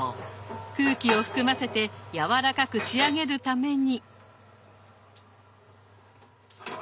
空気を含ませてやわらかく仕上げるために。